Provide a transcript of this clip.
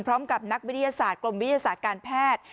พร้อมกับนักวิทยาศาสตร์กรมวิทยาศาสตร์การแพทย์